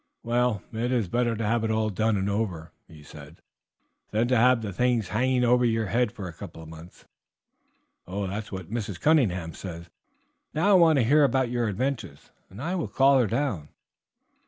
"Well, it is better to have it all done and over," he said, "than to have the thing hanging over you for a couple of months." "That is what Mrs. Cunningham says. Now I want to hear about your adventures, and I will call her down."